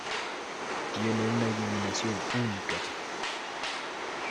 Tiene una iluminación única.